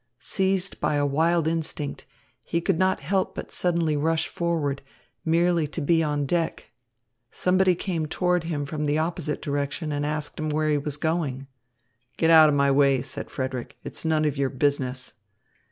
Seized by a wild instinct, he could not help but suddenly rush forward, merely to be on deck. Somebody came toward him from the opposite direction, and asked him where he was going. "Get out of my way," said Frederick. "It's none of your business."